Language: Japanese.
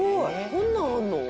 こんなんあるの？